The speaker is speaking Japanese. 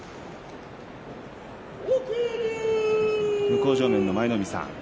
向正面の舞の海さん